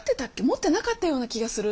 持ってなかったような気がする！」